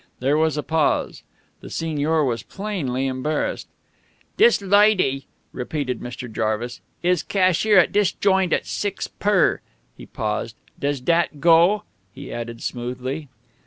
There was a pause. The signor was plainly embarrassed. "Dis loidy," repeated Mr. Jarvis, "is cashier at dis joint at six per " He paused. "Does dat go?" he added smoothly.